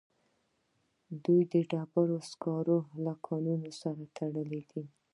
دوی د ډبرو سکارو له کانونو سره تړلي دي